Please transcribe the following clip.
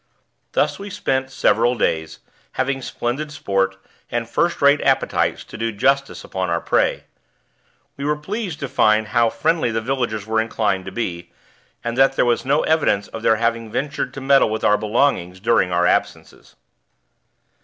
Thus we spent several days, having splendid sport, and first rate appetites to do justice upon our prey. We were pleased to find how friendly the villagers were inclined to be, and that there was no evidence of their having ventured to meddle with our belongings during our absences.